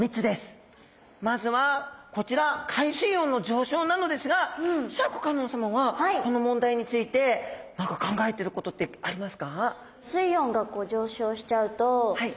まずはこちら海水温の上昇なのですがシャーク香音さまはこの問題について何か考えてることってありますか？